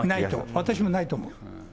私もないと思う。